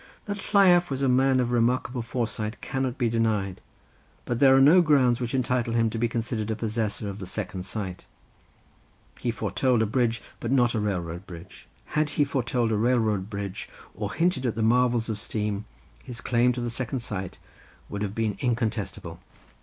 That Lleiaf was a man of remarkable foresight cannot be denied, but there are no grounds which entitle him to be considered a possessor of the second sight. He foretold a bridge, but not a railroad bridge; had he foretold a railroad bridge, or hinted at the marvels of steam, his claim to the second sight would have been incontestable.